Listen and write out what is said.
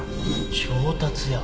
調達屋